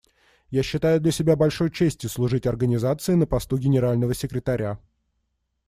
Я считаю для себя большой честью служить Организации на посту Генерального секретаря.